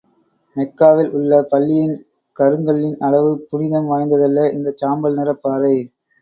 மெக்காவில் உள்ள பள்ளியின் கருங்கல்லின் அளவு புனிதம் வாய்ந்ததல்ல இந்தச் சாம்பல் நிறப் பாறை.